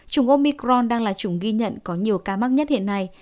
chủng omicron đang là chủng ghi nhận có nhiều ca mắc nhất hiện nay